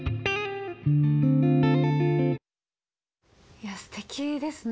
いやすてきですね。